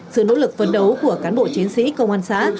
sự nỗ lực phấn đấu của cán bộ chiến sĩ công an xã